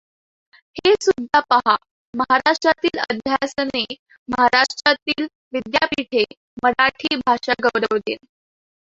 हे सुद्धा पहा महाराष्ट्रातील अध्यासने महाराष्ट्रातील विद्यापीठे मराठी भाषा गौरव दिन.